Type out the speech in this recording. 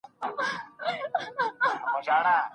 خاطرې ژوندۍ ساتئ.